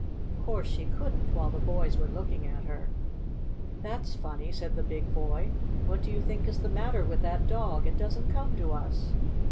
Of course she couldn't, while the boys were looking at her. "That's funny!" said the big boy. "What do you think is the matter with that dog? It doesn't come to us."